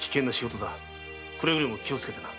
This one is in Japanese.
くれぐれも気をつけてな。